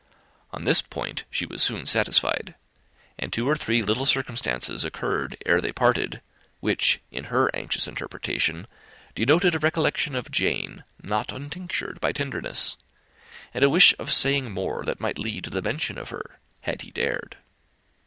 On this point she was soon satisfied; and two or three little circumstances occurred ere they parted, which, in her anxious interpretation, denoted a recollection of Jane, not untinctured by tenderness, and a wish of saying more that might lead to the mention of her, had he dared.